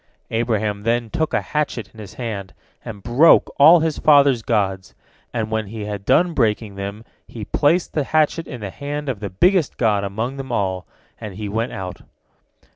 Abraham then took a hatchet in his hand, and broke all his father's gods, and when he had done breaking them he placed the hatchet in the hand of the biggest god among them all, and he went out.